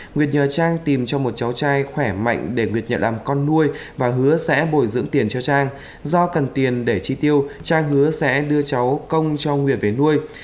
nguyệt nhờ trang tìm cho một cháu trai khỏe mạnh để nguyệt nhận làm con nuôi và hứa sẽ bồi dưỡng tiền cho trang do cần tiền để chi tiêu trang hứa sẽ đưa cháu công cho nguyệt về nuôi